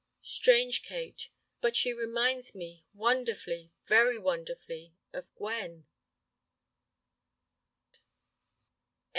"Strange, Kate, but she reminds me—wonderfully, very wonderfully—of Gwen."